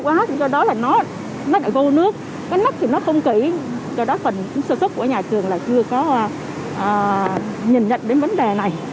cái nắp thì nó không kỹ do đó phần sốt sốt của nhà trường là chưa có nhìn nhận đến vấn đề này